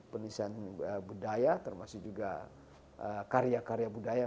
penistaan budaya termasuk juga karya karya budaya